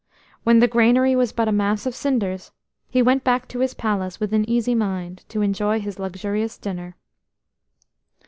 When the granary was but a mass of cinders, he went back to his palace with an easy mind to enjoy his luxurious dinner.